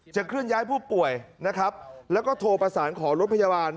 เคลื่อนย้ายผู้ป่วยนะครับแล้วก็โทรประสานขอรถพยาบาล